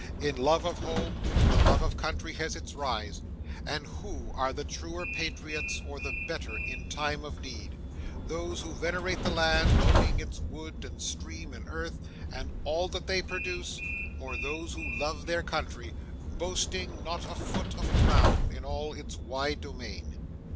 In love of home, the love of country has its rise; and who are the truer patriots or the better in time of need those who venerate the land, owning its wood, and stream, and earth, and all that they produce? or those who love their country, boasting not a foot of ground in all its wide domain!